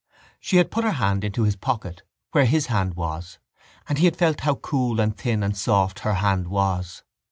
She had put her hand into his pocket where his hand was and he had felt how cool and thin and soft her hand was.